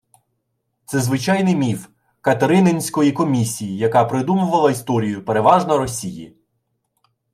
Це звичайний міф катерининської «Комісії», яка «придумувала історію, переважно Росії»